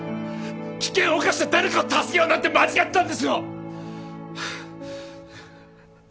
危険を冒して誰かを助けようなんて間違ってたんですよ！